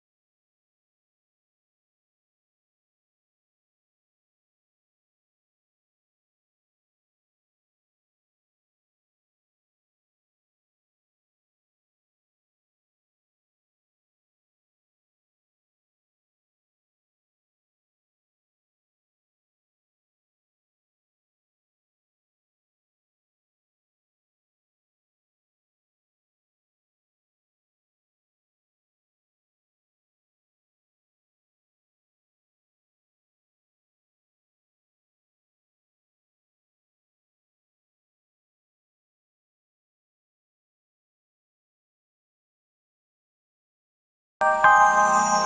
kamu tuh kecil lagi